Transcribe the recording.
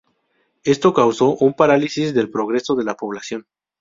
Esto causó un "parálisis" del progreso de la población.